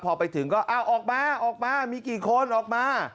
พอไปถึงก็อ้าวออกมาออกมามีกี่คนออกมา